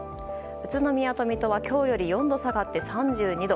宇都宮と水戸は今日より４度下がって３２度。